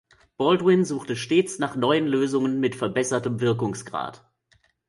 Baldwin suchte stets nach neuen Lösungen mit verbessertem Wirkungsgrad.